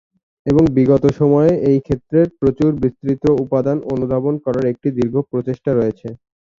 এবং বিগত সময়ে এই ক্ষেত্রের প্রচুর বিস্তৃত উপাদান অনুধাবন করার একটি দীর্ঘ প্রচেষ্টা রয়েছে।